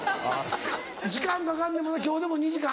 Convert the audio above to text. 時間かかんねんもんな今日でも２時間？